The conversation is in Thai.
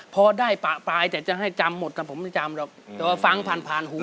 พอได้ปล่าวปลายแต่จะให้จำหมดแต่ผมรู้ไม่จำหรอกฟังผ่านด้วย